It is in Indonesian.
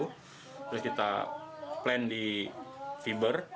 terus kita plan di fiber